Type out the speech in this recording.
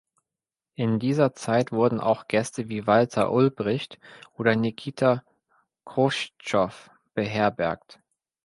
In dieser Zeit wurden auch Gäste wie Walter Ulbricht oder Nikita Chruschtschow beherbergt.